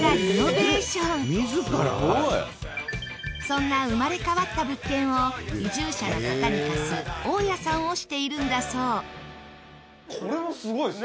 そんな生まれ変わった物件を移住者の方に貸す大家さんをしているんだそう。